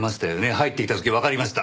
入ってきた時わかりました。